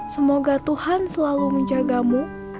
semoga tuhan selalu menjagamu